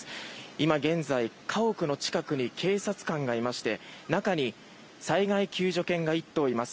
今現在、家屋の近くに警察官がいまして中に災害救助犬が１頭います。